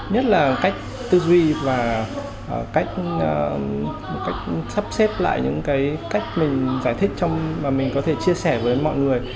nhất là cách tư duy và một cách sắp xếp lại những cái cách mình giải thích mà mình có thể chia sẻ với mọi người